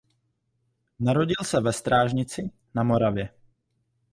Narodil se ve Strážnici na Moravě.